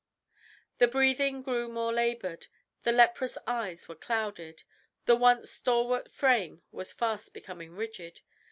The breathing grew more laboured, the leprous eyes were clouded, the once stalwart frame was fast becoming rigid.